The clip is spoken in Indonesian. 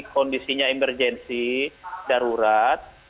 kondisinya emergensi darurat